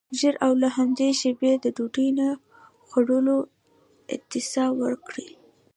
ژر او له همدې شیبې د ډوډۍ نه خوړلو اعتصاب وکړئ.